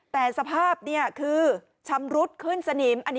แต่สภาพคือชำรุดขึ้นสนิม